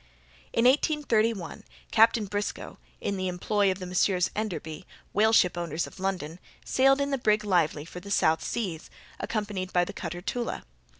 In 1831, Captain Briscoe, in the employ of the Messieurs Enderby, whale ship owners of London, sailed in the brig Lively for the South Seas, accompanied by the cutter Tula.